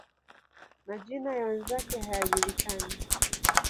Majina ya wenzake hayajulikani.